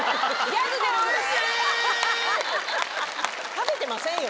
食べてませんよ。